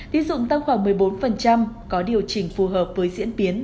tí dụng tăng khoảng một mươi bốn có điều chỉnh phù hợp với diễn biến